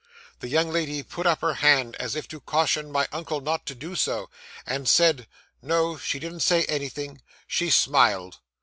'The young lady put up her hand as if to caution my uncle not to do so, and said No, she didn't say anything she smiled.